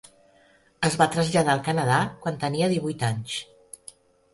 Es va traslladar al Canadà quan tenia divuit anys.